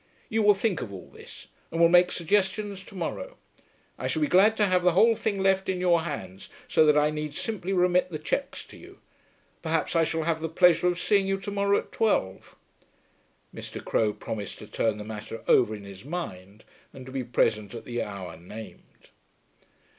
You will think of all this, and will make suggestions to morrow. I shall be glad to have the whole thing left in your hands, so that I need simply remit the cheques to you. Perhaps I shall have the pleasure of seeing you to morrow at twelve." Mr. Crowe promised to turn the matter over in his mind and to be present at the hour named.